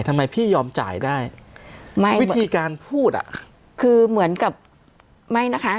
ทำไมพี่ยอมจ่ายได้ไม่วิธีการพูดอ่ะคือเหมือนกับไม่นะคะ